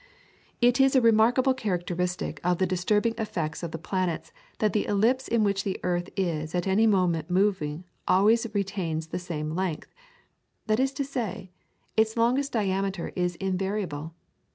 It is a remarkable characteristic of the disturbing effects of the planets that the ellipse in which the earth is at any moment moving always retains the same length; that is to say, its longest diameter is invariable.